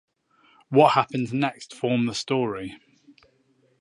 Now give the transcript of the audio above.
What happens next form the story.